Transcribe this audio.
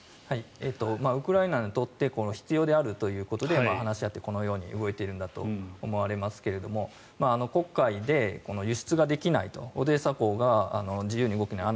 ウクライナにとって必要であるということで話し合って、このように動いているんだと思われますが黒海で輸出ができないとオデーサ港が自由に動けない。